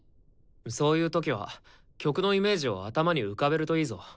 そういう時は曲のイメージを頭に浮かべるといいぞ。